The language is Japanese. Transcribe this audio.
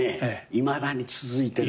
いまだに続いてる。